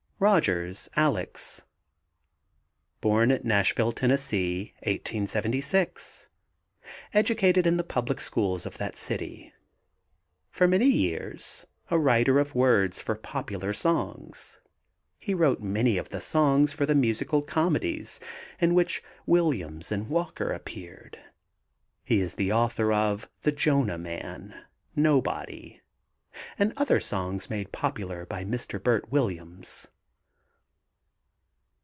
ROGERS, ALEX. Born at Nashville, Tenn., 1876. Educated in the public schools of that city. For many years a writer of words for popular songs. He wrote many of the songs for the musical comedies in which Williams and Walker appeared. He is the author of The Jonah Man, Nobody and other songs made popular by Mr. Bert Williams.